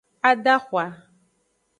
Adahwa.